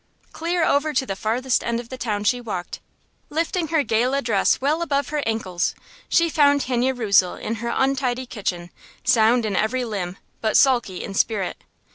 Clear over to the farthest end of the town she walked, lifting her gala dress well above her ankles. She found Henne Rösel in her untidy kitchen, sound in every limb but sulky in spirit.